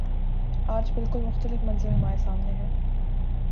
آج بالکل مختلف منظر ہمارے سامنے ہے۔